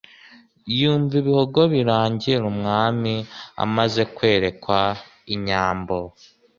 Yumva Ibihogo birangiraUmwami amaze kwerekwa inyambo